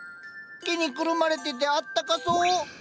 毛にくるまれててあったかそう。